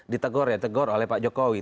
ditegor ya tegor oleh pak jokowi